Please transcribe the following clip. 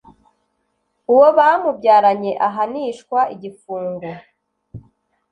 uwo bamubyaranye ahanishwa igifungo